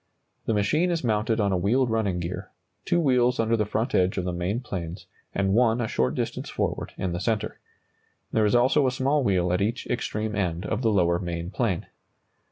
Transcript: The machine is mounted on a wheeled running gear, two wheels under the front edge of the main planes and one a short distance forward in the centre. There is also a small wheel at each extreme end of the lower main plane.